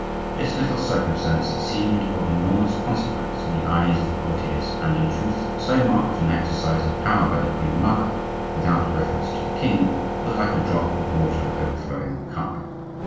This little circumstance seemed of enormous consequence in the eyes of the courtiers; and, in truth, so marked an exercise of power by the queen mother, without reference to the king, was like a drop of water overflowing the cup.